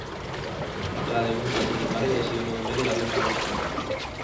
Radegunda, sin embargo, decidió no comer y darle pan a los pobres.